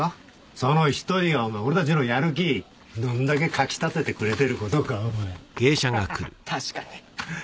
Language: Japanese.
その１人がお前俺たちのやる気どんだけかきたててくれてることかお前ハハハッ